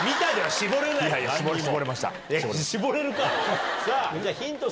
絞れるか？